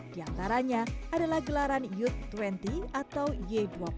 di antaranya adalah gelaran youth dua puluh atau y dua puluh